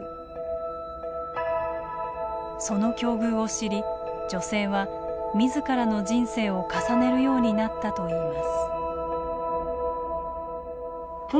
その境遇を知り女性は、みずからの人生を重ねるようになったといいます。